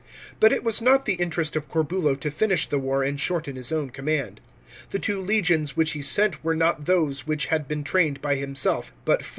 But it was not the interest of Corbulo to finish the war and shorten his own command. The two legions which he sent were not those which had been trained by himself, but IV.